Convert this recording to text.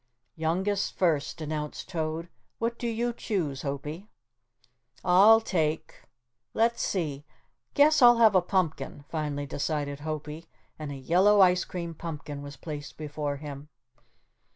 "Youngest first," announced Toad. "What do you choose, Hopie?" "I'll take, let's see; guess I'll have a pumpkin," finally decided Hopie and a yellow ice cream pumpkin was placed before him.